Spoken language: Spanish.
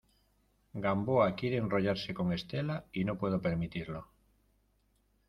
Gamboa quiere enrollarse con Estela y no puedo permitirlo.